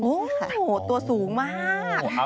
โอ้โหตัวสูงมาก